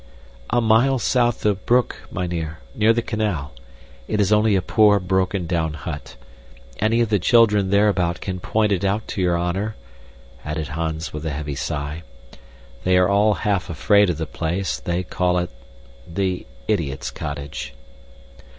"A mile south of Broek, mynheer, near the canal. It is only a poor, broken down hut. Any of the children thereabout can point it out to your honor," added Hans with a heavy sigh. "They are all half afraid of the place; they call it the idiot's cottage."